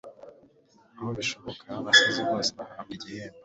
aho bishoboka. abasizi bose bahabwa igihembo